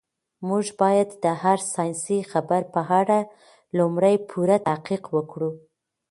موږ باید د هر ساینسي خبر په اړه لومړی پوره تحقیق وکړو.